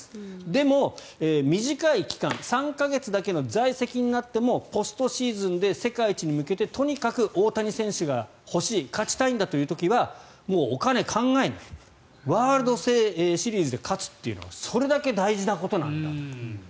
でも、短い期間３か月だけの在籍になってもポストシーズンで世界一に向けてとにかく大谷選手が欲しい勝ちたいんだという時はお金を考えないワールドシリーズで勝つというのはそれだけ大事なことなんだと。